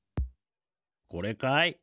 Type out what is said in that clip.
これかい？